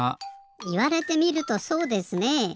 いわれてみるとそうですねえ。